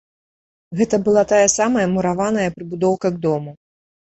Гэта была тая самая мураваная прыбудоўка к дому.